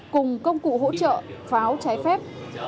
cùng công cụ hỗ trợ pháo trái phép